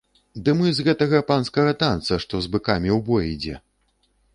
Ды мы з гэтага панскага танца, што з быкамі ў бой ідзе.